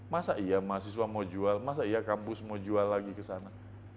masa iya mahasiswa mau jual masa iya kampus mau jual lagi ke sana